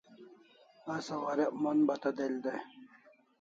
Asa warek mon bata del dai